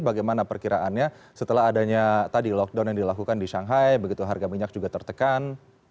bagaimana perkiraannya setelah adanya tadi lockdown yang dilakukan di shanghai begitu harga minyak juga tertekan